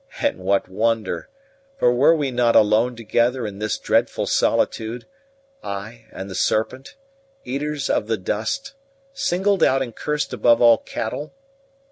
And what wonder? For were we not alone together in this dreadful solitude, I and the serpent, eaters of the dust, singled out and cursed above all cattle?